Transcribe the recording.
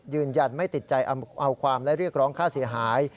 ยืนยันไม่ติดใจเอาความและเรียกร้องค่าเสียหาย